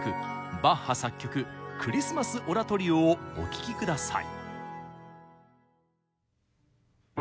バッハ作曲「クリスマス・オラトリオ」をお聴き下さい。